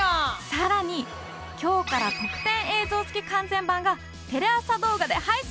更に今日から特典映像付き完全版がテレ朝動画で配信されます